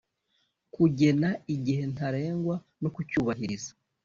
Kugena igihe ntarengwa no kucyubahiriza